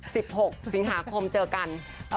หกสิงหาคมเจอกัน